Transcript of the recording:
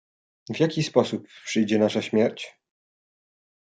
"W jaki sposób przyjdzie nasza śmierć?"